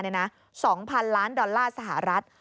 ๒๐๐๐๐๐๐ดอลลาร์สหรัฐ